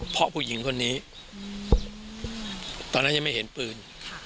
เพราะผู้หญิงคนนี้ตอนนั้นยังไม่เห็นปืน